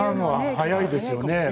早いですよね。